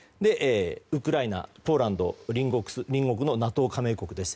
ウクライナ、ポーランド隣国のＮＡＴＯ加盟国です。